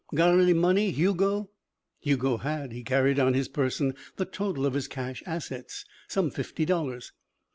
"Got any money, Hugo?" Hugo had. He carried on his person the total of his cash assets. Some fifty dollars.